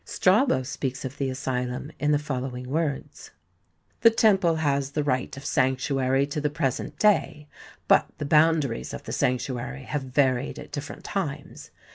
Strabo speaks of the asylum in the following words : The temple has the right of sanctuary to the present day, but the boundaries of the sanctuary have varied at different times.